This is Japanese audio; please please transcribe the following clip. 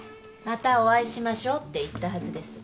またお会いしましょうって言ったはずです。